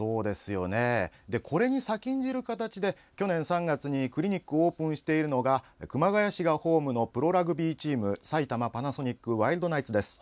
これに先んじる形で去年３月にクリニックをオープンしているのが熊谷市がホームのプロラグビーチーム埼玉パナソニックワイルドナイツです。